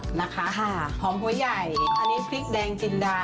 นะคะหอมหัวใหญ่อันนี้พริกแดงจินดา